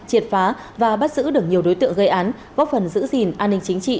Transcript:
triệt phá và bắt giữ được nhiều đối tượng gây án góp phần giữ gìn an ninh chính trị